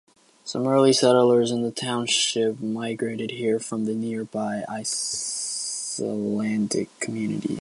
Some early settlers in the township migrated here from the nearby Icelandic communities.